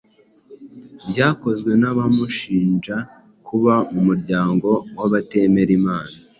byakozwe n’abamushinja kuba mu muryango w’abatemera Imana